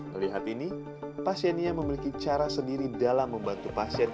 melihat ini pasiennya memiliki cara sendiri dalam membantu pasien